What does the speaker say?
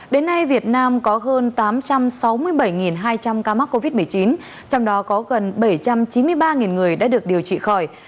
đến nay việt nam có hơn tám trăm sáu mươi bảy hai trăm linh ca mắc covid một mươi chín trong đó có gần bảy trăm chín mươi ba người đã được điều trị khỏi